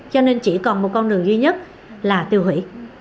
cho nên chỉ còn một con đường duy nhất là tiêu hủy